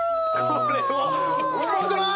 これはウマくない？